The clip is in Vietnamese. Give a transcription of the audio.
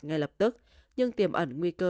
ngay lập tức nhưng tiềm ẩn nguy cơ